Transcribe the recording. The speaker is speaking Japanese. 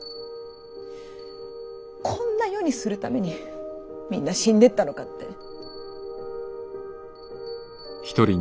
こんな世にするためにみんな死んでったのかって。